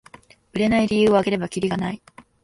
売れない理由をあげればキリがない